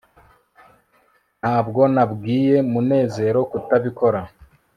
ntabwo nabwiye munezero kutabikora